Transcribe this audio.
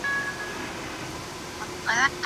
茄花香草为报春花科珍珠菜属的植物。